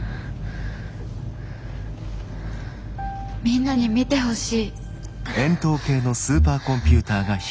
みんなに見てほしい。